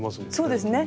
そうですね。